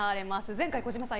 前回、児嶋さん